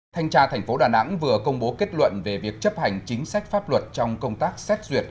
thanh tra thành phố đà nẵng vừa công bố kết luận về việc chấp hành chính sách pháp luật trong công tác xét duyệt